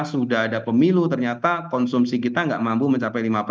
sudah ada pemilu ternyata konsumsi kita nggak mampu mencapai lima puluh